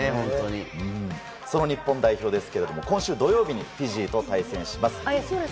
その日本代表ですけど今週土曜日にフィジーと対戦します。